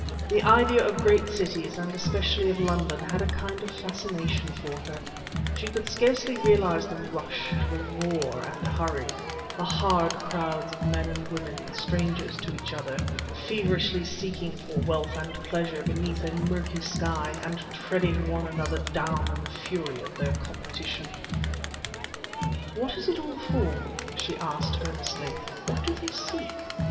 The idea of great cities, and especially of London, had a kind of fascination for her: she could scarcely realize the rush, the roar and hurry, the hard crowds of men and women, strangers to each other, feverishly seeking for wealth and pleasure beneath a murky sky, and treading one another down in the fury of their competition. "What is it all for?" she asked earnestly. "What do they seek?